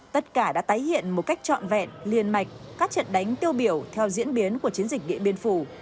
tất cả đã tái hiện một cách trọn vẹn liền mạch các trận đánh tiêu biểu theo diễn biến của chiến dịch điện biên phủ